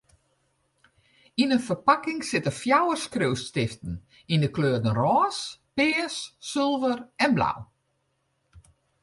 Yn in ferpakking sitte fjouwer skriuwstiften yn 'e kleuren rôs, pears, sulver en blau.